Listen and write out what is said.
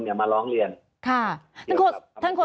สวัสดีครับทุกคน